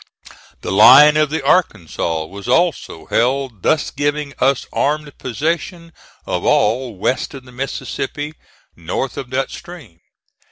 The line of the Arkansas was also held, thus giving us armed possession of all west of the Mississippi, north of that stream.